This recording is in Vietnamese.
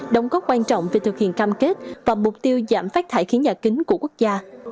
đóng góp quan trọng về thực hiện cam kết và mục tiêu giảm phát thải khí nhà kính của quốc gia